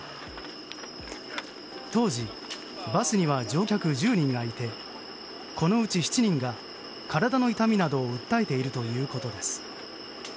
当時、バスには乗客１０人がいてこのうち７人が体の痛みなどを訴えているということです。